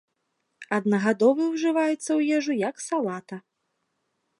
Аднагадовы ўжываецца ў ежу як салата.